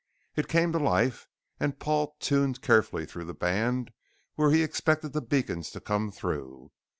It came to life and Paul tuned carefully through the band where he expected the beacons to come through.